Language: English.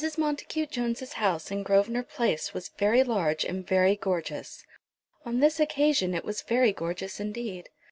Montacute Jones' house in Grosvenor Place was very large and very gorgeous. On this occasion it was very gorgeous indeed.